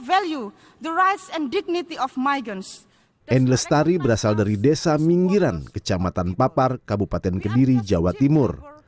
annie lestari berasal dari desa minggiran kecamatan papar kabupaten kediri jawa timur